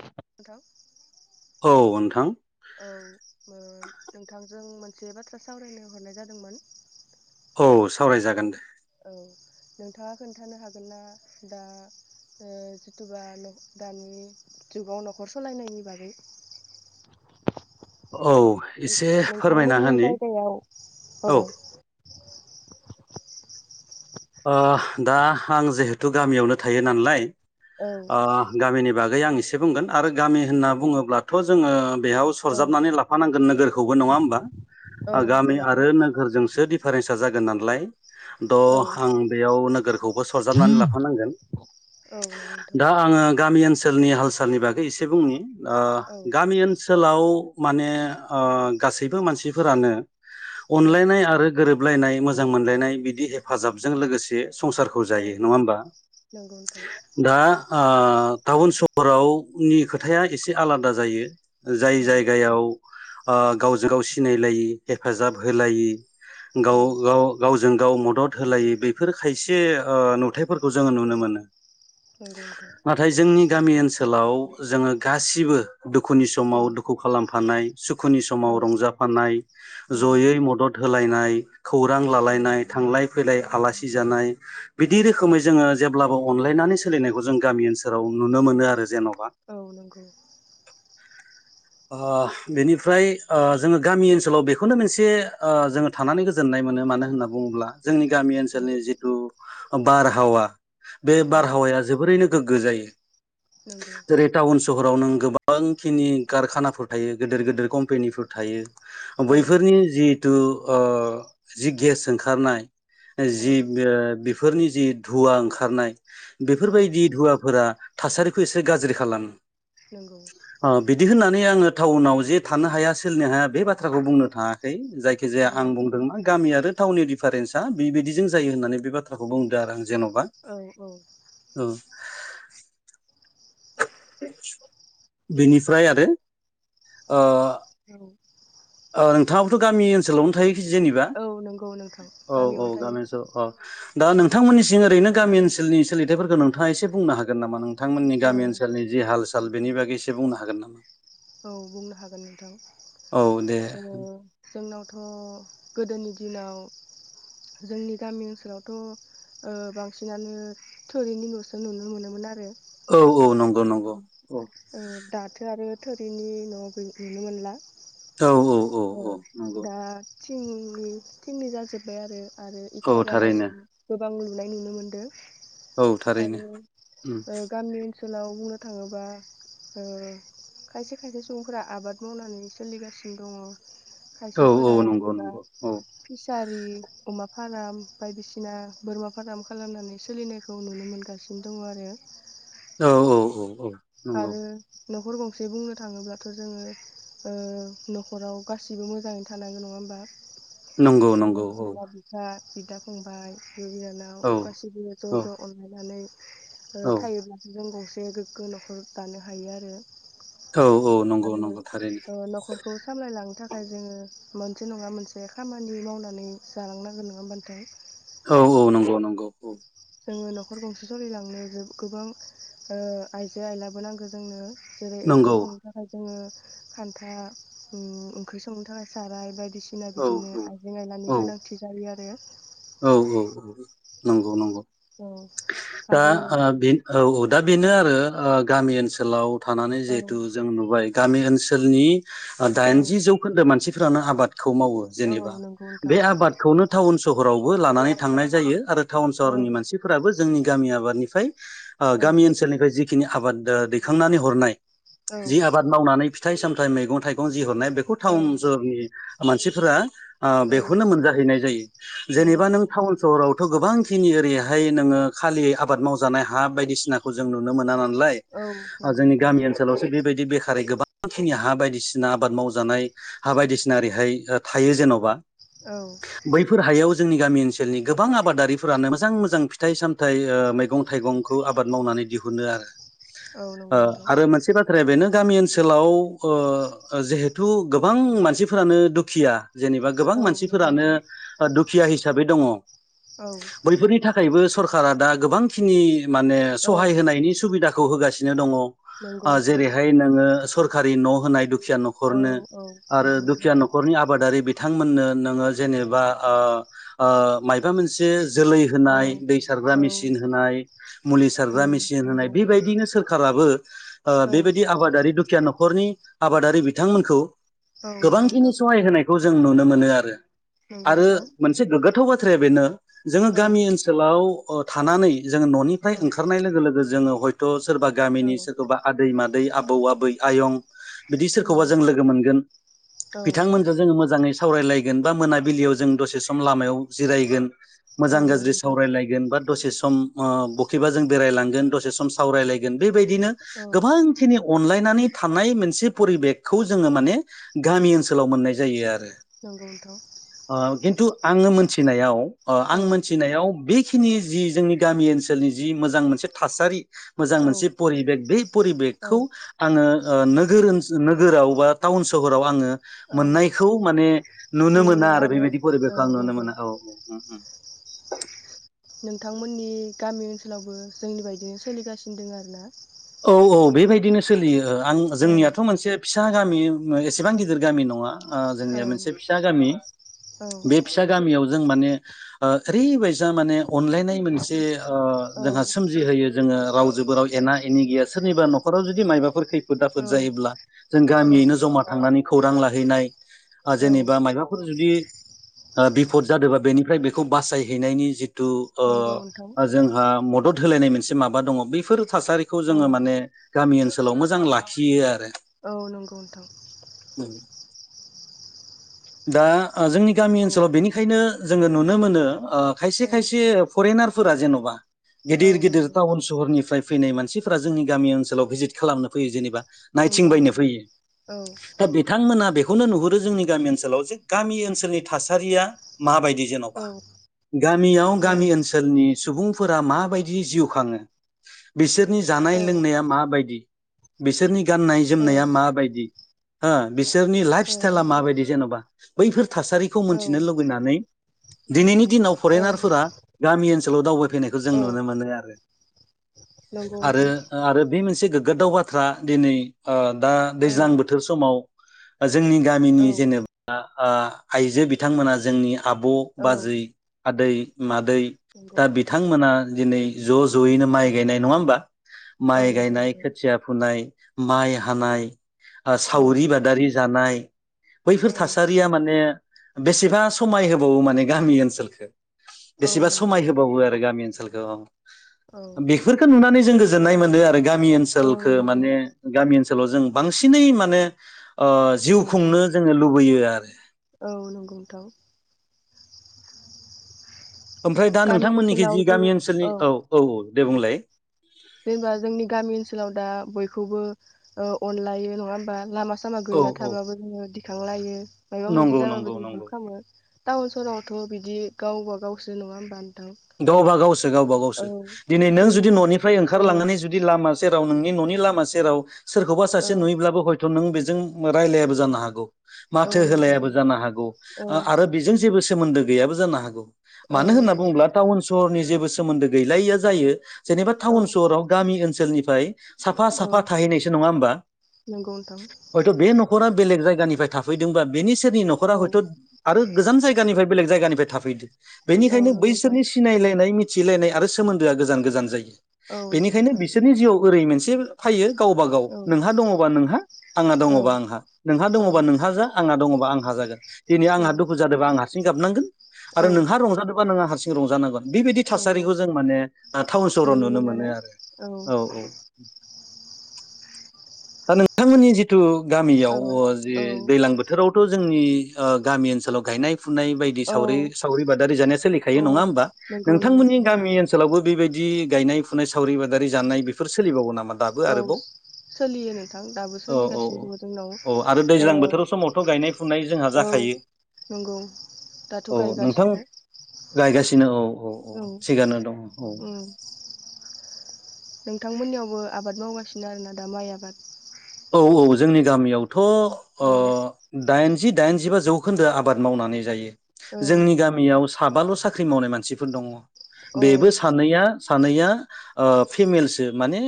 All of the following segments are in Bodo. नोंथां औ नोंथां औ ओ नोंथांजों मोनसे बाथ्रा सावरायनो हरनाय जादोंमोन औ सावरायजागोन दे औ नोंथाङा खोन्थानो हागोनना दा जिथुबा दानि जुगाव न'खर सालायनायनि बागै औ एसे फोरमायना नोंथांमोननि होनि जायगायाव औ औ ओह दा आं जिहेथु गामियावनो थायो नालाय ओह गामिनि बे बागै आं एसे बुंगोन आरो गामि होनना बुङोब्लाथ' जोङो बेयाव सरजाबनानै लाफानांगोन नोगोर खौबो नङा होमबा औ गामि नंगौ नोंथां आरो नोगोरजोंसो दिडिफारेन्सा जागोन नालाय द औ आं बेयाव नोगोरखौबो सरजाबनानै लाफानांगोन औ नंगौ नोंथां दा आङो गामि ओनसोल ओनसोलनि हाल सालनि बागै एसे बुंनि ओह औ गामि ओनसोलाव माने ओ गासैबो मानसिफोरानो औ अनलायनाय आरो गोरोब गोबलायनाय मोजां मोनलायनाय बिदि हेफाजाबजों लोगोसे संसारखौ जायो नङा होमबा नंगौ नोंथां दा ओह टाउन सहरावनि खोथाया एसे आलादा जायो। जाय औ जायगायाव ओ गावजों गाव सिनायलायि हेफाजाब होलायि औ गाव गाव गावजों गाव मदद होलायि बेफोर खायसे ओह नुथायफोरखौ जोङो नुनो मोनो नंगौ नोंथां नाथाय जोंनि गामि ओनसोलाव जोङो गासिबो दुखुनि समाव दुखु खालामफानाय सुखुनि औ समाव रंजाफानाय नंगौ जयै मदद होलायनाय खौरां औ लालायनाय थांलाय फैलाय आलासि जानाय बिदि रोखोमै जोङो जेब्लाबो अनलायनानै सोलिनायखौ जों गामि ओनसोलाव नुनो मोनो आरो जेन औ नंगौ। ओह बेनिफ्राय ओह जोङो गामि ओनसोलाव बेखौनो मोनसे ओह जोङो थानानै गोजोननाय मोन मोनो मानो होनना बुङोब्ला जोंनि गामि औ ओनसोलनि जिथु बारहावा बे बारहावाया जोबोरैनो गोगो जायो नंगौ जेरै टाउन स हराव नों गोबांखिनि कारखानाफोर थायो गिदिर गिदिर कम्पेनिफोर थायो औ बैफोरनि नंगौ जिहथु ओ जि गेस ओंखारनाय जि औ ओह बेफोरनि जि धुवा ओंखारनाय औ बेफोरबायदि धुवाफोरा थासारिखौ एसे गाज्रि खालामो नंगौ ओ बिदि होननानै आङो टाउनाव जे थानो हाया सोलिनो हाया बे बाथ्राखौ बुंनो थाङाखै जायखिजाया नंगौ आं नोंथां बुंदों गामि आरो टाउननि दिडिफारेनआ बेबायदिजों जायो होननानै बे बाथ्राखौ बुंदों आरो आङो जेन'बा औ औ ओ बेनिफ्राय आरो ओह औ ओह नोंथाङाबो गामि ओनसोलावनो थायो। जेनेबा औ नंगौ नोंथां औ औ गामियावनो थायो गामि ओनसोल औ। दा नोंथांनिसि ओरैनो गामि ओनसोलनि सोलिथायफोरखौ नोंथाङा एसे बुं हागोन नामा नोंथांमोननि औ गामि ओनसोल जि हाल साल बेनि बागैसे बुंनो हागोन नामा? औ बुंनो हागोन नोंथां। औ दे ओ जोंनावथ' गोदोनि दिनाव जोंनि गामि ओनसोलावथ' ओ बांसिनानो थोरिनि न'सो नुनो मोनोमोन आरो औ औ नंगौ। नंगौ औ दाथो आरो थोरिनि न' नुनो मोनला औ औ औ ओ औ नंगौ दा थिंनि थिंनि जाजोबबाय आरो आरो औ इथा थारैनो बालाजों गोबां लुनाय नुनो मोनदो औ थारैनो आरो उम ओ गामि ओनसोलाव बुंनो थाङोबा ओ खायसे खायसे सुबुंफोरा आबाद मावनानै सोलिगासिनो दङ। औ औ खायसेफोरा नंगौ होनबा नंगौ औ फिसारि अमा फाराम बायदिसिना बोरमा फाराम खालामनानै सोलिनायखौ नुनो मोनगासिनो दङ आरो। औ औ औ औ नंगौ आरो न'खर गंसे बुंनो थाङोब्लाथ' जोङो ओ न'खराव गासिबो मोजाङैनो थानांगौ नङा होमबा। नंगौ नंगौ औ बिमा बिफा बिदा फंबाय बिब' बिनानाव औ गासिबो ज' औ ज' अनलायनानै औ थायोब्लासो जों गंसे गोग्गो न'खर दानो हायो आरो औ औ नंगौ आरो नंगौ थारैनो ओ न'खरखौ सामलायलांनो थाखाय जोङो मोनसे नङा मोनसे खामानि मावनानै जालांनांगोन नोङा होमबा नोंथां। औ औ नंगौ नंगौ औ जोङो न'खर गंसे सलिलांनो गोबां आइजो आयलाबो नांगौ जोंनो जेरै ओंखाम नंगौ संनो थाखाय जोङो खान्था ओंख्रि संनो थाखाय साराय बायदि बायदिसिना औ बिदिनो औ आइजें औ आयलानि गोनांथि जायो आरो। औ औ औ नंगौ नंगौ औ दा आरो औ औ दा बेनो आरो औ गामि ओनसोलाव थानानै जिहेथु जों नुबाय गामि ओनसोलनि औ दाइनजि जौखोन्दो मानसिफ्रानो आबादखौ मावो औ जेनेबा औ नंगौ बे नोंथां आबादखौनो टाउन सहरावबो लानानै थांनाय जायो, आरो टाउन औ सहरनि मानसिफोराबो जोंनि गामि आबाद निफ्राय ओ औ गामि ओनसोलनिफ्राय जिखिनि आबाद ओ दैखांनानै हरनाय औ जि आबाद मावनानै फिथाइ सामथाइ मैगं थाइगं जि हरनाय बेखौ औ टाउन सोहरनि मानसिफोरा ओ औ बेखौनो मोनजाहैनाय जायो, नंगौ जेनेबा नों नोंथां टाउन सहराव थ' गोबांखिनि ओरैहाय नोंङो खालि आबाद मावजानाय हा बायदिसिनाखौ जों नुनो मोना ना लाय औ ओ नंगौ जोंनि नोंथां गामि ओनसोलावसो बेबायदि बेख खारै गोबांखिनि हा बायदिसिना आबाद मावजानाय हा बायदिसिना ओरैहाय ओ थायो जेन'बा, औ बैफोर हायाव जोंनि गामि ओनसोलनि गोबां आबादारिफोरानो मोजां मोजां फिथाइ सामथाइ ओ मैगं थाइगंखौ आबाद मावनानै दिहुनो औ ओ नंगौ नोंथां आरो मोनसे बाथ्राया बेनो गामि ओनसोलाव अव जिहेथु गोबां मानसिफोरानो दुखिया जेनेबा गोबां औ नंगौ मानसिफोरानो नोंथां ओ दुखिया हिसाबै दंङ औ बैफोरनि थाखायबो सरकारा दा गोबांखिनि माने औ सहाय होनायनि सुबिदा खौ होगासिनो दंङ, नंगौ नोंथां जेरै हाय नोंङो सरखारि न' होनाय खिया औ न'खरनो औ आरो नंगौ नोंथां दुखिया न'खरनि आबादारि बिथांमोननो नोंङो जेनेबा ओ ओ मायबा मोनसे जोलै औ होनाय दै सारग्रा औ मेसिन होनाय मुलि सारग्रा उम मेसिन होनाय नंगौ बेबायदिनो सोरखारा बो ओ औ बेबायदि आबादारि दुखिया न'खरनि आबादारि बिथांमोनखौ औ नंगौ गोबांखिनि नोंथां सहाय होनायखौ जों नुनो मोनो आरो। नंगौ आरो नोंथां मोनसे गोग्गाथाव बाथ्राया बेनो जोंङो औ गामि ओनसोलाव अ थानानै जोंङो न'निफ्राय औ ओंखारनाय लोगो लोगो जोंङो हयथ' सोरबा औ गामिनि सोरखौबा आदै मा दै आबौ आबै आयं बिदि सोरखौबा नंगौ जों लोगो मोनगोन औ बिथांमोनजों जोंङो मोजांङै सावरायलायगोन बा मोनाबि बिलियाव जों दसे सम लामायाव जिरायगोन औ मोजां नंगौ गाज्रि नोंथां सावरायलायगोन बा दसे सम ओ बखेबा जों बेरायलांगोन दसे सम सावरायलायगोन बे बादिनो औ गोबांखिनि अनलाइ नानै थानाय मोनसे फरिबेकखौ जोंङो माने गामि ओनसोलाव मोननाय जायो आरो। नोंगौ थ' आव खिन्थु आंङो मोनथिनायाव ओ औ आं मोनथिनायाव बे जिखिनि जि जोंनि गामि ओनसोलनि जि मोजां मोनसे थासारि मोजां औ मोनसे परिबेक बे औ परिबेकखौ आंङो ओ नोगोर ओनसोल नोगोराव बा टाउन सहराव आंङो औ मोननायखौ माने नुनो मोन ना आरो बेबायदि औ फरिबेखौ आं नुनो नंगौ मोना औ औ नोंथांमोननि गामि ओनसोलावबो जोंनि बायदिनो सोलिगासिनो दों आरोना। औ औ बेबायदिनो सोलियो आं औ जोंनियाथ मोनसे फिसा गामि एसेबां गिदिर गामि नंङा। ओ‌ औ जोंनिया मोनसे फिसा गामि बे फिसा गामियाव जों माने ओ ओरैबायसा माने अनलायनाय मोनसे ओ औ जोंहा सोमजिहोयो जोंङो रावजोबो राव एना एनि गैया सोरनिबा नखराव जुदि मायबाफोर खै फोद आफोद औ जायोब्ला जों नंगौ गामियैनो जमा थांनानै खौरां लाहैनाय ओ औ जेनेबा मायबाफोर जुदि ओ बिफद जादोंबा बेनिफ्राय बेखौ बासायहैनायनि जि थु ओ नंगौ नोंथां जोंहा मदद होलायनाय मोनसे माबा दंङ बेफोर थासारि खौ जोंङो औ माने गामि ओनसोलाव मोजां लाखियो आरो। औ नोंगौ नोंथां। दा ओ जोंनि गामि औ ओनसोलाव बेनिखायनो जोंङो नुनो मोनो। ओ खायसे औ खायसे फरेनारफोरा जेनबा औ गिदिर गिदिर नंगौ टाउन सहरनिफ्राय फैनाय मानसिफोरा जोंनि गामि ओनसोलाव भिजिथ खालामनो फैयो जेनेबा नायथिं नंगौ बायनो नोंथां फैयो औ दा बिथांमोना बेखौनो नुहुरो जोंनि गामि ओन सोलाव जे गामि ओनसोलनि थासारिया माबायदि जेनबा औ गामियाव औ गामि ओनसोलनि सुबुंफोरा माबायदि जिउ खांङो बिसोरनि जानाय औ लोंनाया माबायदि बिसोरनि गाननाय औ जोमनाया माबायदि हो बिसोरनि लाइफ औ स्टाइला नंगौ औ माबायदि बा बैफोर थासारिखौ मोनथिनो लुबैनानै दिनैनि दिनाव फरेनारफोरा गामि ओनसोलाव दावबायफैनायखौ जों औ नुनो मोनो आरो। नंगौ आरो नोंथां ओ आरो बे मोनसे गोग्गोथाव बाथ्रा दिनै ओ। दा औ दैज्लां बोथोर समाव। जोंनि औ गामिनि जेने। ओ आइजो बिथांमोना जोंनि आबौ, औ बाजै, आदै, मादै। दै नंगौ दा बिथांमोना दिनै ज-ज यैनो माइ गायनाय नंङा होनबा। औ माइ नंगौ गायनाय नोंथां खोथिया फुनाय माइ हानाय। औ सावरि बादारि जानाय बैफोर औ थासारिया माने। बेसेबा समाय होबावो माने गामि ओनसोलखो। औ बेसेबा नंगौ समाय नोंथां होबावो आरो गामि ओनसोलखौ औ बेफोरखो नुनानै जों गोजोन्नाय मोनो आरो गामि औ ओनसोलखो नंगौ माने गामि ओनसोलाव जों बांसिनै माने ओ जिउ उम खुंनो जोंङो लुबैयो आरो। औ नंगौ नोंथां ओमफ्राय दा गामि नोंथांमोननिखि ओनसोलाव जि जोङो गामि ओनसोलनि औ औ-औ दे बुंलाय खौबो ओ‌ अनलायो‌ नंङा होनबा लामा सामा औ गोलैना औ थाबाबो जोंङो दिखांलायो मायाबा मोनसे नंगौ जाबाबो नंगौ जों नंगौ हमखांङो टाउन सहरावथ बिदि गावबा गावसो नंङा होनबा गावबा गावसो गावबा गावसो दिनै नों जोंनि जुदि ननिफ्राय औ ओंखारलांनानै जुदि लामा। सेराव नोंनि ननि लामा सेराव सोरखौबा औ सासे नुयोब्लाबो हइथ थ नों बेजों राय्लायाबो जानो हागौ। औ माथो नंगौ होलायाबो नोंथां जानो हागौ औ ओ आरो बेजों जेबो सोमोन्दो गैयाबो जानो हागौ। औ मानो होनना नं। बुङोब्ला टाउन सहरनि जेबो सोमोन्दो गैलायिया जायो जेनेबा औ टाउन सहराव गामि ओनसोलनिफ्राय साफा साफा औ थाहैनायसो नङा होमबा नंगौ नोंथां हयथ' बे न'खरा बेलेग जायगानि फ्राय थाफैदोंबा बेनि सोरनि न'खरा औ हयथ' आरो गोजान जायगानिफ्राय बेलेग जायगानिफ्राय थाफैदो। औ बेनिखायनो नंगौ नोंथां बैसोरनि सिनायलायनाय मिथिलायनाय आरो सोमोन्दोआ गोजान गोजान जायो। औ नंगौ बेनिखायनो नोंथां बिसोरनि जिउआव ओरै मोनसे फैयो। गावबा गाव औ नोंहा दङबा नोंहा आंहा औ दङबा आंहा नोंहा औ दङबा नोंहा जा आंहा दङ। आं ह जागोन दिनै औ आंहा दुखु जादोंबा आं हारसिं गाबनांगोन आरो औ नोंहा रंजादोंबा नोंहा ह रंजानांगोन। बेबायदि नंगौ थासारिखौ जों माने टाउन सहराव नुनो मोनो आरो औ औ। दा नोंथांमोननि जिथु गामियाव औ जे औ दैलां बोथोराव जोंनि गामि ओनसोलाव गायनाय फुनाय बायदि सावरि औ सावरि बादारि जानाया सोलि औ नङा होमबा नंगौ नंगौ नोंथांमोननि नोंथां गामिनि ओनसोलावबो बेबायदि गायनाय फुनाय सावरि बादारि जानाय बेफोर सोलिबावो नामा दाबो औ आरोबाव सोलियो नोंथां दाबो औ औ सोलिगासिनो औ दङ जोंनाव औ आरो ओ दैज्लां बोथोराव समावथ' गायनाय फुनाय जोंहा औ जाखायो नंगौ दाथ' औ नोंथां गायगासिनो गायगासिनो औ औ औ थिगानो दं औ उम नोंथांमोननियावबो आबाद मावगासिनो आरोना दा माइ आबाद औ औ जोंनि गामियावथ' औ ओ दाइन दाइनजिबा जौखोन्दो आबाद मावनानै जायो औ जोंनि गामियाव साबाल' साख्रि मावनाय मानसिफोर दङ औ बेबो सानैया सानैया फिमेलसो माने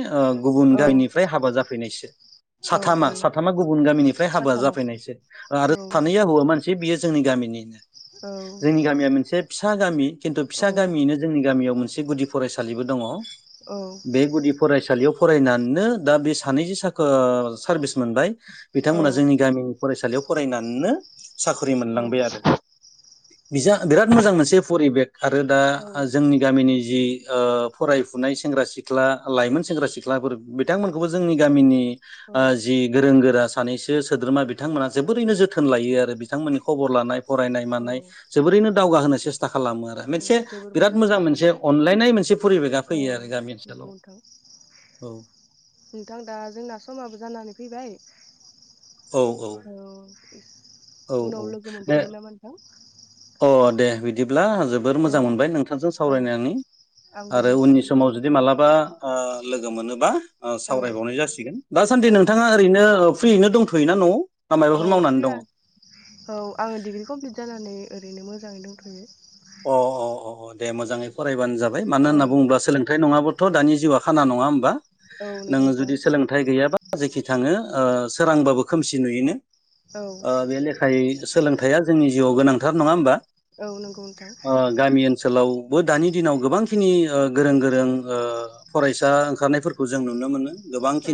गुबुन औ गामिनिफ्राय हाबा जाफैनायसो औ साथामा औ साथामा गुबुन गामिनिफ्राय हाबा साथामा जाफैनायसो आरो औ सानैया हौवआ मानसि मोनसे बियो जोंनि गामिनिनो औ जोंनि गामिया मोनसे फिसा गामि खिन्थु फिसा औ गामियैनो जोंनि गामियाव मोनसे गुदि फरायसालिबो दङ औ बे गुदि फरायसालियाव फरायनानैनो दा बे सानै ज सा सारभिस मोनबाय बिथांमोना जोंनि गामि फरायसालियाव फरायनानैनो साख्रि औ मोनलांबाय आरो बिराद मोजां मोनसे परिबेक आरो दा औ जोंनि गामिनि जि ओ फरायफुनाय सेंग्रा सिख्ला लाइमोन सेंग्रा सिख्लाफोर बिथांमोनखौबो जोंनि गामिनि जि गोरों गोरा सानैसो सोद्रोमा बिथांमोना जोबोरैनो जोथोन लायो आरो बिथांमोननि खबर लानाय फरायनाय मानाय औ जोबोरैनो दावगाहोनो सेस्था खालाम खालामो आरो मोनसे जोबोर बिराद मोजांनि मोजां खोथा मोनसे नोंथां अनलायनाय मोनसे फरिबेका औ फैयो आरो गामि ओनसोलाव नंगौ नोंथां औ नोंथां दा जोंना समाबो जानानै फैबाय औ औ औ औ उनाव लोगो दे मोनफिगोन ना नोंथां अ दे बिदिब्ला जोबोर औ मोजां मोनबाय नोंथांजों औ सावरायनायनि आंबो आरो उननि नोंथांजों समाव रायज्लायना जुदि जोबोद मोजां मालाबा मोनबाय। लोगो मोनोबा औ सावरायबावनाय जासिगोन दा सान दे औ नोंथाङा ओरैनो फ्रिनो दंथ'योना न'आव ना औ माबाफोर मावनानै दङ फ्रिया अ औ आङो डिग्रि कमप्लिट जानानै ओरैनो मोजाङै दंथ'यो अ अ अ दे मोजाङै फरायबानो जाबाय मानो औ होनना बुङोब्ला सोलोंथाइ नङाबो थ' दानि जिउआ खाना नङा होमबा औ नंगौ नोङो नोंथां जुदि सोलोंथाइ गैयाबा जेखि थाङो सोरांबाबो खोमसि नुयनो औ बे लेखायै सोलोंथाइआ जोंनि जिउआव गोनांथार नङा होमबा औ नोंथां ओ गामि ओनस ओनसोलावबो दानि दिनाव गोबांखिनि गोरों गोरों फरायसा ओंखारनायफोरखौ जों नुनो मोनो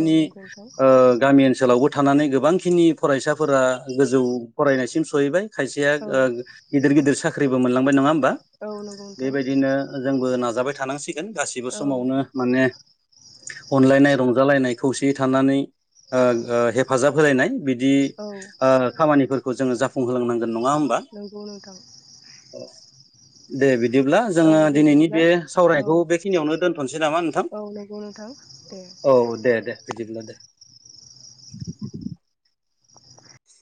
औ नंगौ नोंथां ओ गामि ओनसोलावबो थानानै गोबांखिनि फरायसाफोरा गोजौ फरायनायसिम सहैबाय खायसेया औ गिदिर गिदिर साख्रिबो मोनलांबाय नङा औ नंगौ नोंथां बेबायदिनो जोंबो नाजाबाय थानांसिगोन गासिबो औ समावनो माने अनलायनाय रंजालायनाय खौसेयै थानानै हेफाजाब होलायनाय बिदि औ खामानिफोरखौ जोङो जाफुंहोलांनांगौ नंगौ नोंथां दे बिदि बिदिब्ला औ जोङो दे दिनैनि बिदिब्ला बे औ सावरायखौ बेखिनियावनो दोनथ'सै नामा नोंथां औ नंगौ नोंथां दे औ दे दे बिदिब्ला दे